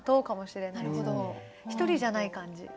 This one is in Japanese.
１人じゃない感じ。